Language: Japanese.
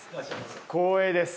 光栄です